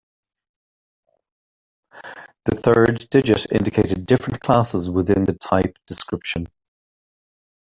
The third digit indicated different classes within the type description.